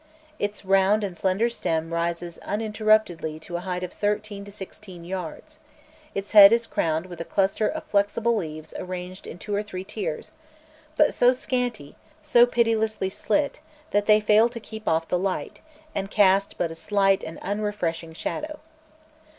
Its round and slender stem rises uninterruptedly to a height of thirteen to sixteen yards; its head is crowned with a cluster of flexible leaves arranged in two or three tiers, but so scanty, so pitilessly slit, that they fail to keep off the light, and cast but a slight and unrefreshing shadow.